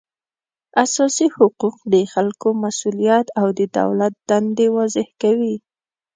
اساسي حقوق د خلکو مسولیت او د دولت دندې واضح کوي